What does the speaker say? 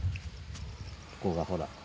ここがほら。